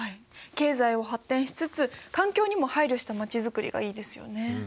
経済を発展しつつ環境にも配慮した街づくりがいいですよね。